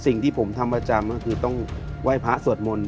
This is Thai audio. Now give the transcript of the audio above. สิ่งที่ผมทำประจำก็คือต้องไหว้พระสวดมนต์